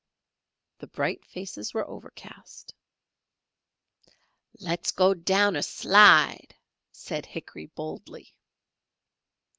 The bright faces were overcast. "Less go down er slide!" said Hickory, boldly.